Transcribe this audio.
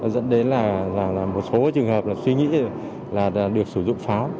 dẫn đến là một số trường hợp là suy nghĩ là được sử dụng pháo